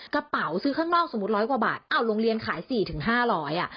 กระเป๋าซื้อข้างนอกสมมติ๑๐๐กว่าบาทโรงเรียนขาย๔๕๐๐บาท